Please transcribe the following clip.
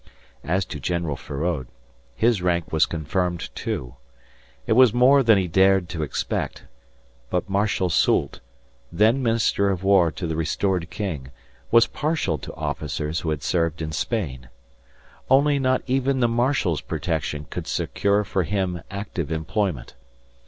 As to General Feraud, his rank was confirmed, too. It was more than he dared to expect, but Marshal Soult, then Minister of War to the restored king, was partial to officers who had served in Spain. Only not even the marshal's protection could secure for him active employment.